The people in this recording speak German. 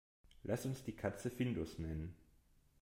Lass uns die Katze Findus nennen.